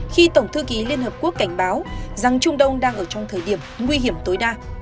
khi tổng thư ký liên hợp quốc cảnh báo rằng trung đông đang ở trong thời điểm nguy hiểm tối đa